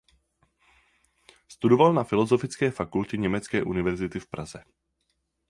Studoval na Filozofické fakultě německé univerzity v Praze.